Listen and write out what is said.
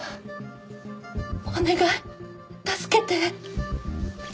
お願い助けて！